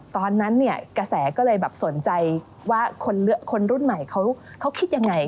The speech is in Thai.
ตอนนั้นกระแสก็เลยสนใจว่าคนรุ่นใหม่เขาคิดอย่างไร